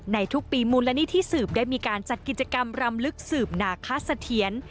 ทุกปีมูลนิธิสืบได้มีการจัดกิจกรรมรำลึกสืบนาคสะเทียน